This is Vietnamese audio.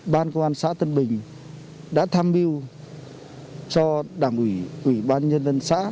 ban công an xã tân bình đã tham mưu cho đảng ủy ủy ban nhân dân xã